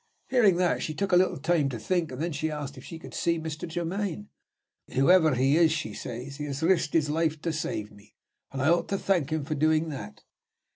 Hearing that, she took a little time to think; and then she asked if she could see Mr. Germaine. 'Whoever he is,' she says, 'he has risked his life to save me, and I ought to thank him for doing that.'